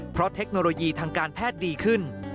เพราะเทคโนโลยีทางการแพทย์ดีขึ้น